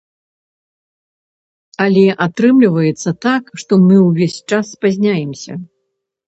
Але атрымлівацца так, што мы ўвесь час спазняемся.